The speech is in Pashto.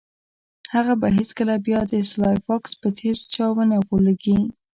هغه به هیڅکله بیا د سلای فاکس په څیر چا ونه غولیږي